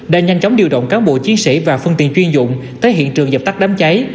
đã nhanh chóng điều động cán bộ chiến sĩ và phương tiện chuyên dụng tới hiện trường dập tắt đám cháy